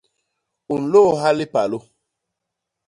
U nlôôha lipalô!.